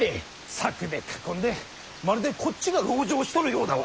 柵で囲んでまるでこっちが籠城しとるようだわ。